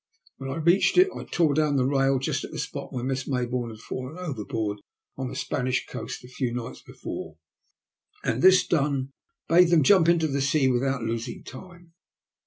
When I reached it, I tore down the rail just at the spot where Miss Maybourne had fallen overboard on the Spanish coast a few nights before, and, this done, bade them jump into the sea without losing time.